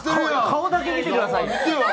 顔だけ見てくださいよ。